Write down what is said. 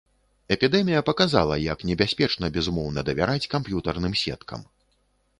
Эпідэмія паказала, як небяспечна безумоўна давяраць камп'ютарным сеткам.